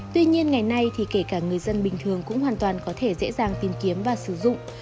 tuy nhiên ngày nay thì kể cả người dân bình thường cũng hoàn toàn có thể dễ dàng tìm kiếm và sử dụng